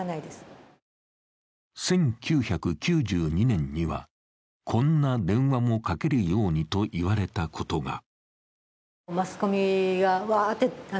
１９９２年には、こんな電話もかけるようにと言われたことが。